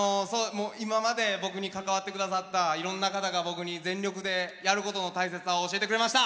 今まで僕に関わってくださったいろんな方が、僕に全力でやることの大切さを教えてくれました。